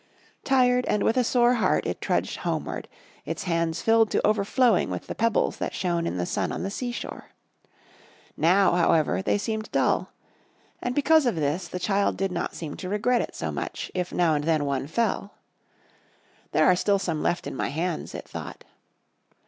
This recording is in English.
Tired and with a sore heart it trudged homeward, its hands filled to overflowing with the pebbles that shone in the sun on the sea shore. Now, however, they seemed dull. And because of this, the child did not seem to regret it so much if now and then one fell. "There are still some left in my hands," it thought.